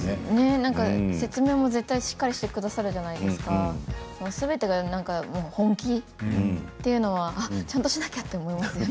説明も絶対にしっかりしてくださるじゃないですか、すべてが本気というのがちゃんとしなきゃって思いますよね。